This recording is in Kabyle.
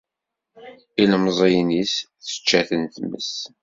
Ilemẓiyen-is tečča-ten tmes.